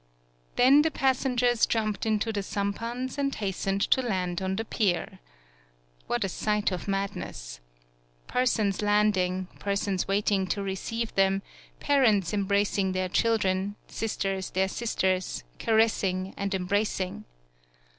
Then the passengers jumped into the sampans and hastened to land on the pier. What a sight of madness! Per sons landing, persons waiting to receive them, parents embracing their children, sisters their sisters, caressing and em bracing!